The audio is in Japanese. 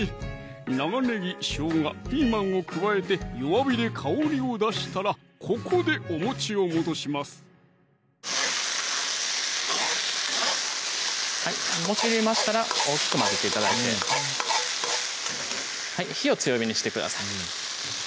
長ねぎ・しょうが・ピーマンを加えて弱火で香りを出したらここでおを戻します入れましたら大きく混ぜて頂いて火を強火にしてください